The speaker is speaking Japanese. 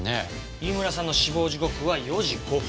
飯村さんの死亡時刻は４時５分。